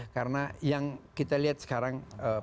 karena yang kita lihat sekarang